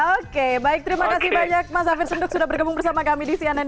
oke baik terima kasih banyak mas hafir senduk sudah bergabung bersama kami di cnn